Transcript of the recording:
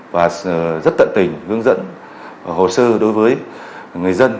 và rất tận tình hướng dẫn hồ sơ đối với người dân